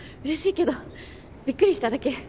うれしいけどびっくりしただけ。